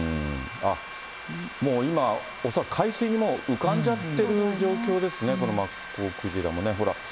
もう今、恐らく海水に浮かんじゃってる状況ですね、このマッコウクジラもね、ほら。